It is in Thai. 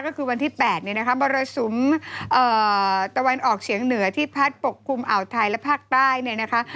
ก็คือวันที่๘เนี่ยนะคะมรสุมตะวันออกเฉียงเหนือที่พัดปกคลุมอ่าวไทยและภาคใต้เนี่ยนะคะ